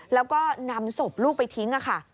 แล้วก็นำศพลูกไปทิ้งค่ะ